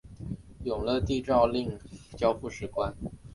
永乐帝诏令交付史官。